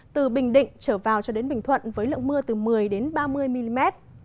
từ bình định trở vào cho đến bình thuận với lượng mưa từ một mươi ba mươi mm